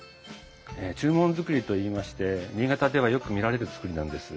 中門造りといいまして新潟ではよく見られる造りなんです。